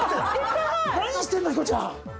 何をしてるのヒコちゃん！